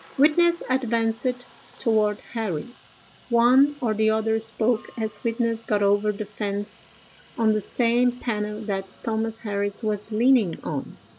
Witness advanced toward Harris. One or the other spoke as witness got over the fence on the same panel that Thomas Harris was leaning on.